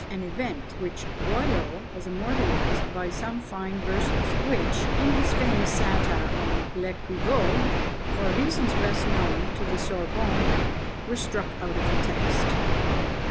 An event which Boileau has immortalised by some fine verses, which, in his famous satire on L'Equivoque, for reasons best known to the Sorbonne, were struck out of the text.